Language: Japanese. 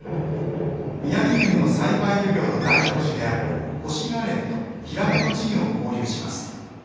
宮城県の栽培漁業の代表種であるホシガレイとヒラメの稚魚を放流します。